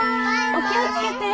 お気を付けて。